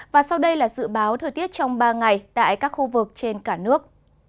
và sau đây là dự báo thời tiết trong ba ngày tại các khu vực trên cả nước